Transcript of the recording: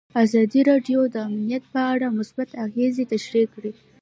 ازادي راډیو د امنیت په اړه مثبت اغېزې تشریح کړي.